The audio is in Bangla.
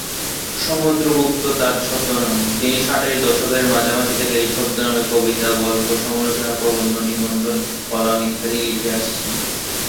সমুদ্র গুপ্ত তার ছদ্মনাম; তিনি ষাটের দশকের মাঝামাঝি থেকে এই ছদ্মনামে কবিতা, গল্প, সমালোচনা প্রবন্ধ, নিবন্ধ, কলাম ইত্যাদি লিখে আসছেন।